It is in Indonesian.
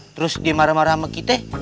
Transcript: terus dia marah marah sama kita